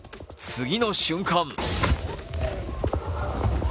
次の瞬間